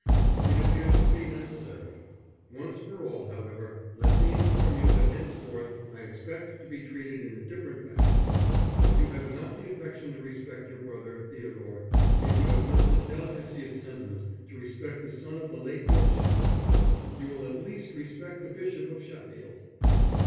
"It appears to be necessary. Once for all, however, let me inform you that henceforth I expect to be treated in a different fashion. If you have not the affection to respect your brother Theodore, if you have not the delicacy of sentiment to respect the son of the late Lord Chancellor you will at least respect the Bishop of Sheffield."